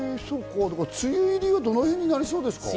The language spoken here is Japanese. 梅雨入りはどのへんになりそうですか？